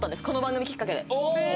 この番組きっかけで。